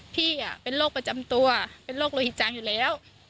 พี่เป็นโรคประจำตัวเป็นโรคโลหิตจังอยู่แล้ว